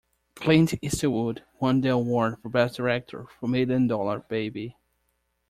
Clint Eastwood won the award for Best Director for "Million Dollar Baby".